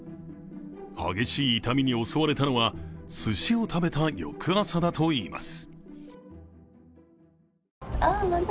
激しい痛みに襲われたのはすしを食べた翌朝だといいます。